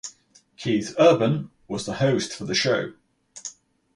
Keith Urban was the host for the show.